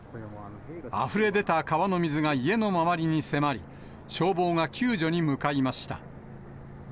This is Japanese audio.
あふれ出た川の水が家の周りに迫り、消防が救助に向かいました。